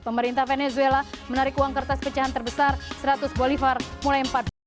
pemerintah venezuela menarik uang kertas pecahan terbesar seratus bolifar mulai empat belas